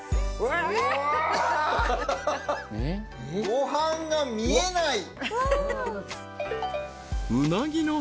ご飯が見えない。